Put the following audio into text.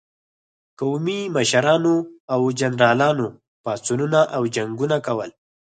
قومي مشرانو او جنرالانو پاڅونونه او جنګونه کول.